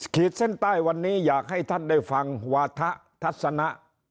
ขีดเส้นใต้วันนี้อยากให้ท่านได้ฟังวาถะทัศนะ